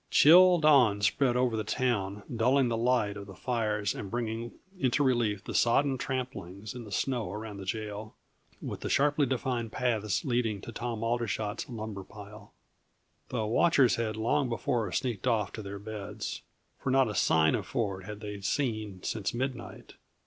Chill dawn spread over the town, dulling the light of the fires and bringing into relief the sodden tramplings in the snow around the jail, with the sharply defined paths leading to Tom Aldershot's lumber pile. The watchers had long before sneaked off to their beds, for not a sign of Ford had they seen since midnight.